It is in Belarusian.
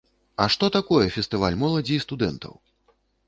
А што такое фестываль моладзі і студэнтаў?